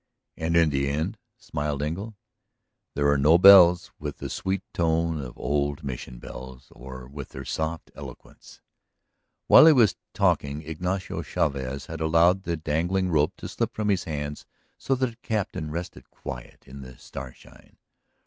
"And in the end," smiled Engle, "there are no bells with the sweet tone of old Mission bells, or with their soft eloquence." While he was talking Ignacio Chavez had allowed the dangling rope to slip from his hands so that the Captain rested quiet in the starshine.